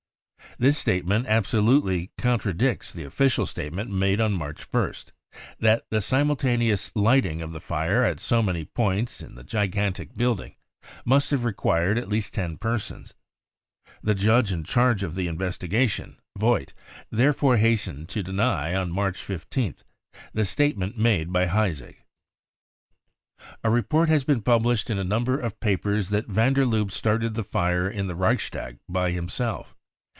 This statement absolutely contradicts the official state ment made on March 1st, that the simultaneous lighting of the fire at so many points in the gigantic building must have required at least ten persons. The judge in charge of the investigation, Vogt, therefore hastened to deny, on , March 15th, the statement made by Heisig : <c A report has been published in a number of papers that van der Lubbe started the fire in the Reichstag by him self.